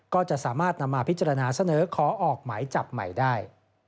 ก็จะสามารถนำมาพิจารณาเสนอขอออกหมายจับใหม่ได้